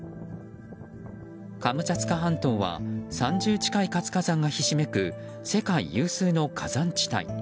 カムチャツカ半島は３０近い活火山がひしめく世界有数の火山地帯。